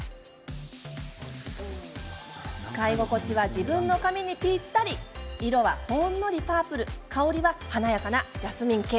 使い心地は自分の髪にぴったり色は、ほんのりパープル香りは華やかなジャスミン系。